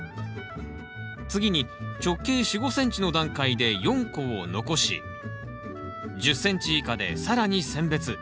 次に直径４５ｃｍの段階で４個を残し１０ｃｍ以下で更に選別。